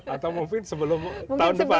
atau mungkin sebelum tahun depan